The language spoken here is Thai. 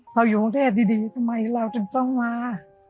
เราอยู่กรุงเทพดีทำไมเราจึงต้องมา